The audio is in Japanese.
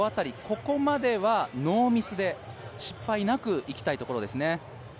ここまではノーミスで失敗なくいきたいところですね。